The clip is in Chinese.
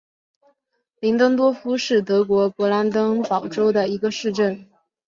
林登多夫是德国勃兰登堡州的一个市镇。